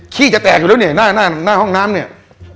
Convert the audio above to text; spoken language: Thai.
จะแตกอยู่แล้วเนี่ยหน้าห้องน้ำเนี่ย